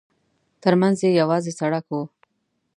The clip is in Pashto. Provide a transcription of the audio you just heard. ترمنځ یې یوازې سړک و.